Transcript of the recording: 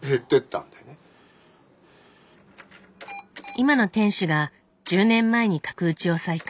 今の店主が１０年前に角打ちを再開。